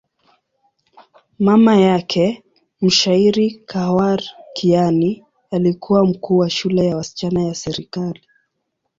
Mama yake, mshairi Khawar Kiani, alikuwa mkuu wa shule ya wasichana ya serikali.